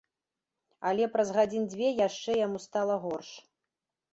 Але праз гадзін дзве яшчэ яму стала горш.